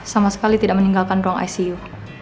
sama sekali tidak meninggalkan ruang icu